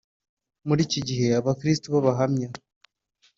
Muri iki gihe Abakristo b Abahamya